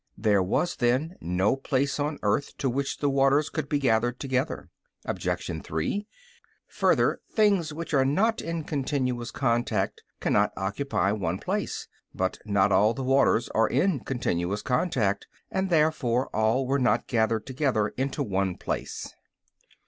There was then no place on the earth to which the waters could be gathered together. Obj. 3: Further, things which are not in continuous contact cannot occupy one place. But not all the waters are in continuous contact, and therefore all were not gathered together into one place.